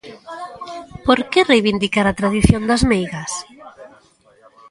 Por que reivindicar a tradición das meigas?